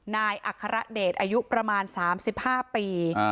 อัครเดชอายุประมาณ๓๕ปี